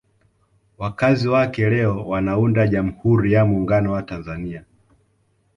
Wakazi wake leo wanaunda Jamhuri ya Muungano wa Tanzania